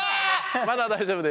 まだ大丈夫です。